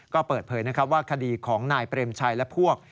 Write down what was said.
ก็เปิดเผยนะครับว่าคดีของนายเปรมชัยและพวก